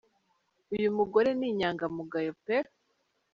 Uyu mugore ni inyanka mugayo pe!